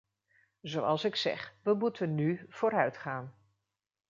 Zoals ik zeg, we moeten nu vooruitgaan.